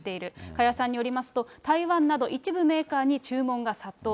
加谷さんによりますと、台湾など一部メーカーに注文が殺到。